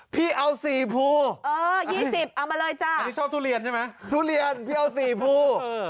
พี่เอา๔ภู๒๐เอามาเลยจ้ะอันนี้ชอบทุเรียนใช่ไหมทุเรียนพี่เอา๔ภู